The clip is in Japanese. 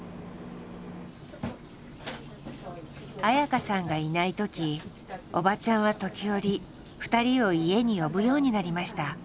綾香さんがいない時おばちゃんは時折２人を家に呼ぶようになりました。